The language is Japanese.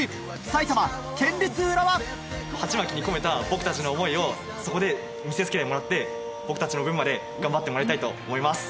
埼玉県立浦和ハチマキに込めた僕たちの思いをそこで見せ付けてもらって僕たちの分まで頑張ってもらいたいと思います。